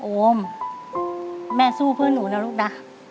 โอมแม่สู้เพื่อหนูนะลูกนะ